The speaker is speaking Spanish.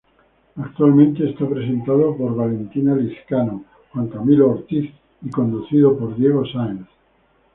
Actualmente es presentado por: Valentina Lizcano, Juan Camilo Ortiz y conducido por Diego Saenz.